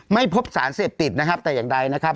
ไม่พบสารเสพติดนะครับแต่อย่างใดนะครับ